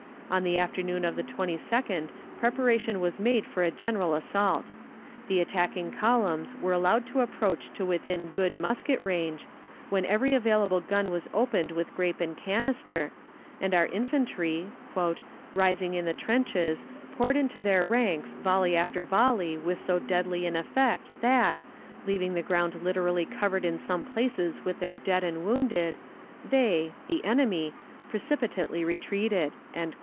On the afternoon of the 22d preparation was made for a general assault. The attacking columns were allowed to approach to within good musket range, when every available gun was opened with grape and canister, and our infantry, "rising in the trenches, poured into their ranks volley after volley with so deadly an effect that, leaving the ground literally covered in some places with their dead and wounded, they [the enemy] precipitately retreated."